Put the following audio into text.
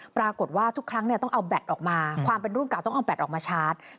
ปรากฏว่าทุกครั้งต้องเอาแบตออกมาความเป็นรุ่นเก่าต้องเอาแบตออกมาชาร์จ